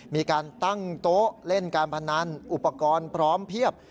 มีการตั้งโต๊ะเล่นการพนันอุปกรณ์พร้อมเพียบ